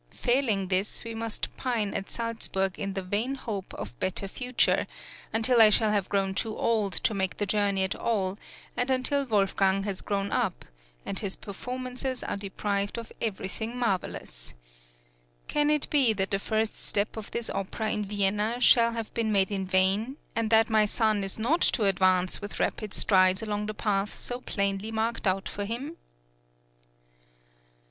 Failing {FORTITUDE OF L. MOZART.} (75) this, we must pine at Salzburg in the vain hope of better fortune, until I shall have grown too old to make the journey at all, and until Wolfgang has grown up, and his performances are deprived of everything marvellous. Can it be that the first step of this opera in Vienna shall have been made in vain, and that my son is not to advance with rapid strides along the path so plainly marked out for him?